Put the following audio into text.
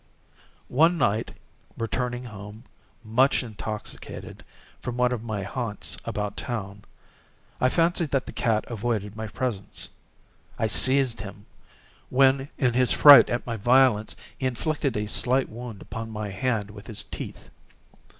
One night, returning home, much intoxicated, from one of my haunts about town, I fancied that the cat avoided my presence. I seized him; when, in his fright at my violence, he inflicted a slight wound upon my hand with his teeth.